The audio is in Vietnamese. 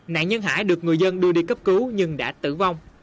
nạn nhân hải được người dân đưa đi cấp cứu nhưng đã tử vong